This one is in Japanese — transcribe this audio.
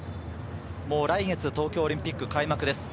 来月、東京オリンピック開幕です。